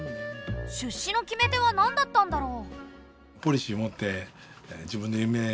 出資の決め手はなんだったんだろう？